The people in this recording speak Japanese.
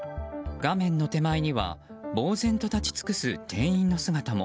画面の手前には呆然と立ち尽くす店員の姿も。